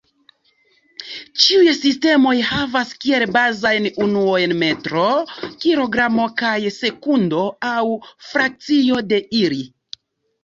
Ĉiuj sistemoj havas kiel bazajn unuoj metro, kilogramo kaj sekundo, aŭ frakcio de ili.